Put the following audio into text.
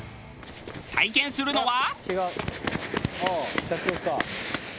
体験するのは。